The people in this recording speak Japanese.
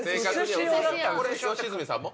これ良純さんも？